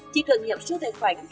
chỉ cần nhập số tài khoản